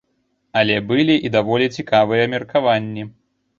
Але былі і даволі цікавыя меркаванні.